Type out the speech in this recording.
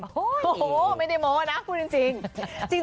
โอ้โหไม่ได้โม้นะพูดจริง